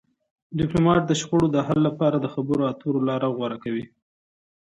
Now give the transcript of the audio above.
ډيپلومات د شخړو د حل لپاره د خبرو اترو لار غوره کوي.